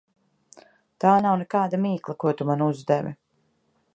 Tā nav nekāda mīkla, ko tu man uzdevi.